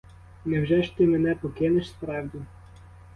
Невже ж ти мене покинеш справді?